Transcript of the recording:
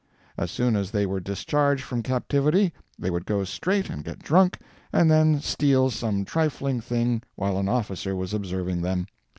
As soon as they were discharged from captivity they would go straight and get drunk, and then steal some trifling thing while an officer was observing them.